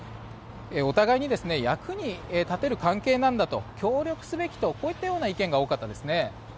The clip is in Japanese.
お互いに役に立てる関係なんだと協力すべきと、こういった意見が多かったですね。